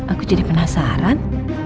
aku jadi penasaran